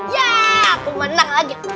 ya aku menang lagi